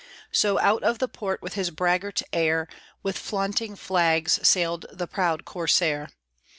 So, out of the port with his braggart air, With flaunting flags, sailed the proud Corsair.